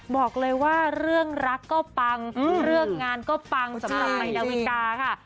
บอกเลยว่าเรื่องรักก็ปังเรื่องงานก็ปังสำหรับใหม่ดาวิกาค่ะ